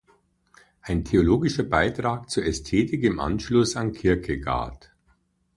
Ein theologischer Beitrag zur Ästhetik im Anschluss an Kierkegaard“.